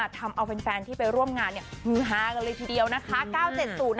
ทำเอาเป็นแฟนที่ไปร่วมงานเนี่ยหื้อหากันเลยทีเดียวนะคะ๙๗๐นะคุณผู้ชมนะ